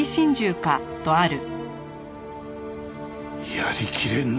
やりきれんな